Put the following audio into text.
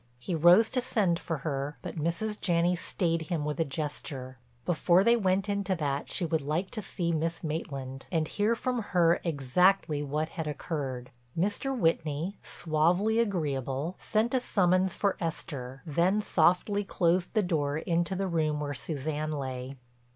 He rose to send for her, but Mrs. Janney stayed him with a gesture—before they went into that she would like to see Miss Maitland and hear from her exactly what had occurred. Mr. Whitney, suavely agreeable, sent a summons for Esther, then softly closed the door into the room where Suzanne lay.